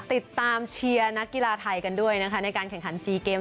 ติดตามเชียร์นักกีฬาไทยกันด้วยนะคะในการแข่งขัน๔เกม